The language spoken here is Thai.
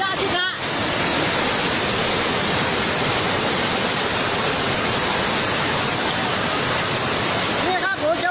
น้ำป่าที่มามาเร็วมาแรงมากเลยนะคะนี่บ้านพังทั้งหลังใช่ค่ะ